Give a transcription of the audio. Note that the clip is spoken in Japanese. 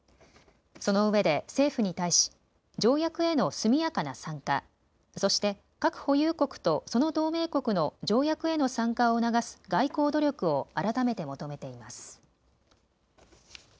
そのうえで政府に対し条約への速やかな参加、そして核保有国とその同盟国の条約への参加を促す外交努力を改めて求めています。